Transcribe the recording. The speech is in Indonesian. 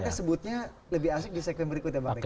tapi ada sebutnya lebih asik di segmen berikut ya bang rey